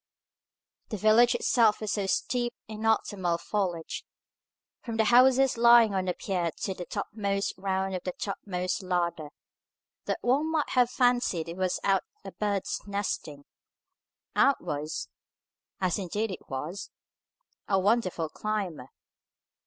The village itself was so steeped in autumnal foliage, from the houses lying on the pier to the topmost round of the topmost ladder, that one might have fancied it was out a bird's nesting, and was (as indeed it was) a wonderful climber.